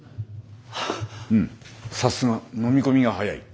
うんさすがのみ込みが早い。